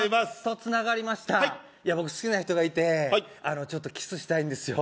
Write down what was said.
僕好きな人がいてあのちょっとキスしたいんですよ